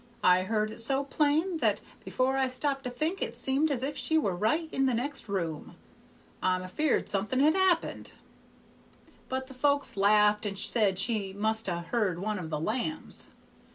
I heard it so plain that before I stopped to think it seemed as if she were right in the next room. I'm afeard something has happened.' But the folks laughed, and said she must ha' heard one of the lambs.